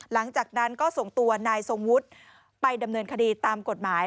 หลังจากนั้นก็ส่งตัวนายทรงวุฒิไปดำเนินคดีตามกฎหมาย